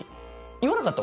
言わなかった？